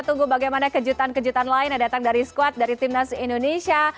tunggu bagaimana kejutan kejutan lain yang datang dari squad dari timnas indonesia